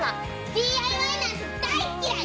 ＤＩＹなんて大っ嫌い！